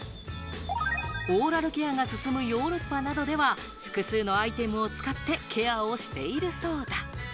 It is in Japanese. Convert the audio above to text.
オーラルケアが進むヨーロッパなどでは、複数のアイテムを使ってケアをしているそうだ。